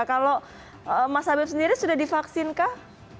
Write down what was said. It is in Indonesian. kalau mas habib sendiri sudah divaksinkah